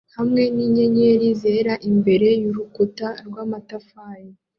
hamwe ninyenyeri zera imbere yurukuta rwamatafari